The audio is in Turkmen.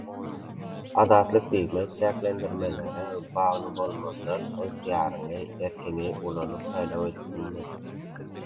Azatlyk diýmek çäklendirmelere bagly bolmazdan ygtyýaryňy, erkiňi ulanyp saýlaw edip bilmek